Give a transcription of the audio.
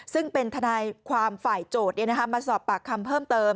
ซึ่งเป็นทนายความฝ่ายโจทย์มาสอบปากคำเพิ่มเติม